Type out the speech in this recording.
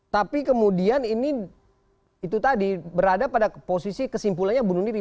tapi kemudian ini itu tadi berada pada posisi kesimpulannya bunuh diri